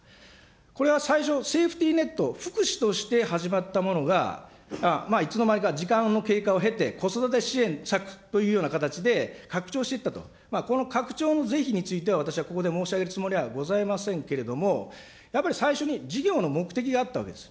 これは最初、セーフティネット、福祉として始まったものが、いつの間にか時間の経過を経て、子育て支援策というような形で拡張していったと、この拡張の是非については、私はここで申し上げるつもりはございませんけれども、やっぱり最初に事業の目的があったわけです。